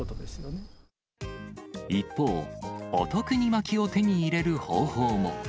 一方、お得にまきを手に入れる方法も。